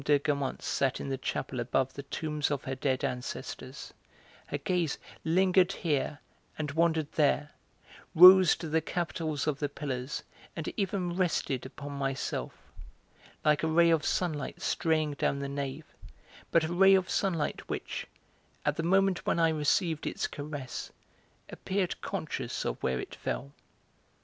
de Guermantes sat in the chapel above the tombs of her dead ancestors, her gaze lingered here and wandered there, rose to the capitals of the pillars, and even rested upon myself, like a ray of sunlight straying down the nave, but a ray of sunlight which, at the moment when I received its caress, appeared conscious of where it fell.